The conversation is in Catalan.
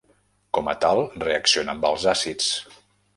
Com a tal, reacciona amb els àcids.